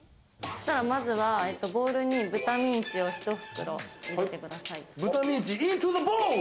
まずはボウルに豚ミンチを一袋入れてください。